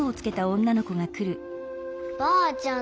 ばあちゃん